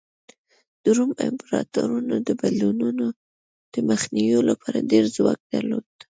د روم امپراتورانو د بدلونونو د مخنیوي لپاره ډېر ځواک درلود